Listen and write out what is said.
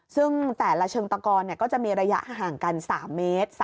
ซึ่งแต่ละเชิงตะกอนก็จะมีระยะห่างกัน๓เมตร